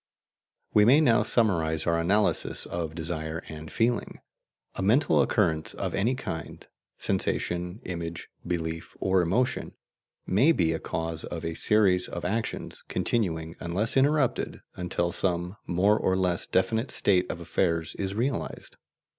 We may now summarize our analysis of desire and feeling. A mental occurrence of any kind sensation, image, belief, or emotion may be a cause of a series of actions, continuing, unless interrupted, until some more or less definite state of affairs is realized.